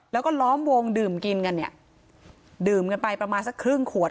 แล้วก็ล้อมวงดื่มกินกันเนี่ยดื่มกันไปประมาณสักครึ่งขวด